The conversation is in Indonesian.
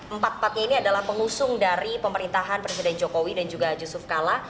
empat empatnya ini adalah pengusung dari pemerintahan presiden jokowi dan juga yusuf kala